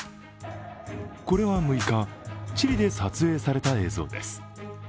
これは６日、チリで撮影された映像です。